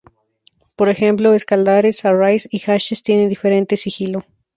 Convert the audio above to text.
Por ejemplo, escalares, "arrays" y "hashes" tienen diferente sigilo.